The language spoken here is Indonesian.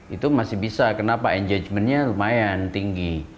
itu masih bisa kenapa engagementnya lumayan tinggi